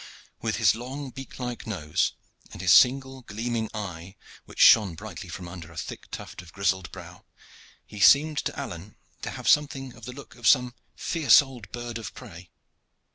With his long beak like nose and his single gleaming eye, which shone brightly from under a thick tuft of grizzled brow, he seemed to Alleyne to have something of the look of some fierce old bird of prey.